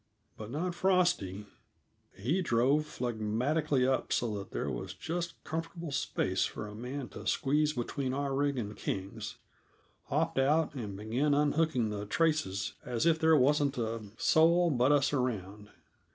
But not Frosty; he drove phlegmatically up so that there was just comfortable space for a man to squeeze between our rig and King's, hopped out, and began unhooking the traces as if there wasn't a soul but us around.